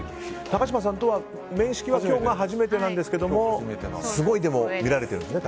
高嶋さんとは面識は今日が初めてなんですけれどもでも、すごい見られているんですね。